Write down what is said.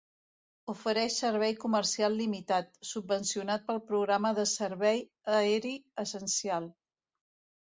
Ofereix servei comercial limitat, subvencionat pel programa de servei aeri essencial.